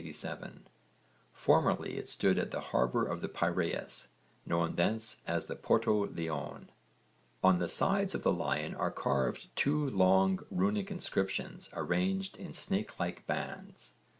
Formerly it stood at the harbour of the Piraeus, known thence as the Porto Leone. On the sides of the lion are carved two long runic inscriptions arranged in snake like bands.